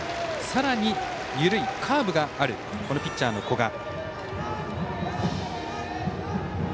さらに、緩いカーブがあるピッチャーの古賀。